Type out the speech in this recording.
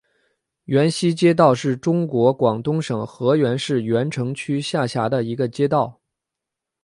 源西街道是中国广东省河源市源城区下辖的一个街道。